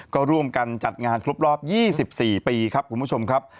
ก็ร่วมกันจัดงานครบรอบ๒๔ปีครับคุณผู้ชมครับ